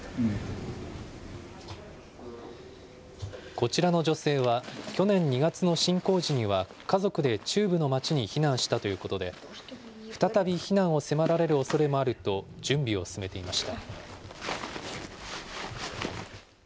こちらの女性は、去年２月の侵攻時には家族で中部の町に避難したということで、再び避難を迫られるおそれもあると、準備を進めていました。